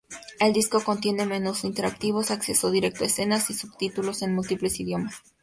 El disco contiene menús interactivos, acceso directo a escenas y subtítulos en múltiples idiomas.